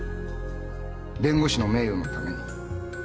弁護士の名誉のために。